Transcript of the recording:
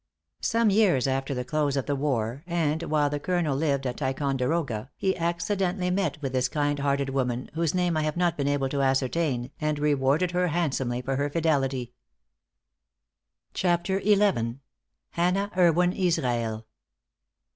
"Some years after the close of the war, and while the Colonel lived at Ticonderoga, he accidentally met with this kind hearted woman, whose name I have not been able to ascertain, and rewarded her handsomely for her fidelity." XI. HANNAH ERWIN ISRAEL.